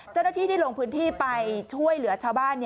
เจ้าหน้าที่ที่ลงพื้นที่ไปช่วยเหลือชาวบ้าน